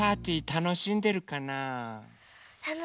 たのしんでるかな？